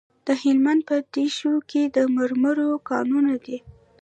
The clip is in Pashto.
د هلمند په دیشو کې د مرمرو کانونه دي.